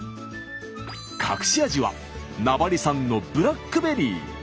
隠し味は名張産のブラックベリー。